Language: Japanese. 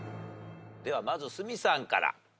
ではまず鷲見さんから。